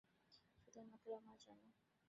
শুধুমাত্র আমার জন্য।